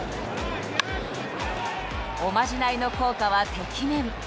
おまじないの効果はてきめん。